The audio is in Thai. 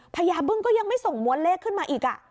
พญาบึ้งก็ยังไม่ส่งม้วนเลขขึ้นมาอีก